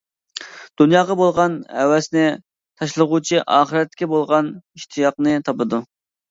دۇنياغا بولغان ھەۋەسنى تاشلىغۇچى ئاخىرەتكە بولغان ئىشتىياقنى تاپىدۇ.